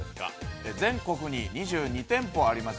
全国に２２店舗あります